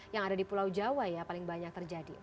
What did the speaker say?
yang ada di pulau jawa ya paling banyak terjadi